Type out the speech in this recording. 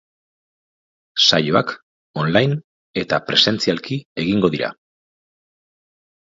Saioak online eta presentzialki egingo dira.